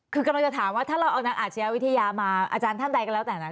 คือกำลังจะถามว่าถ้าเราเอานักอาชญาวิทยามาอาจารย์ท่านใดก็แล้วแต่นะ